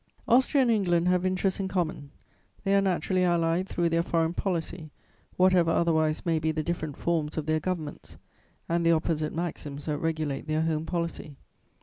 "Austria and England have interests in common, they are naturally allied through their foreign policy, whatever otherwise may be the different forms of their governments and the opposite maxims that regulate their home policy.